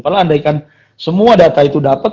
padahal andaikan semua data itu dapat